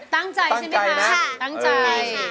ตั้งใจใช่ไหมค่ะ